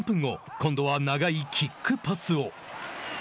今度は長いキックパスを。